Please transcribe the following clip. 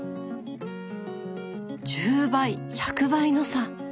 １０倍１００倍の差。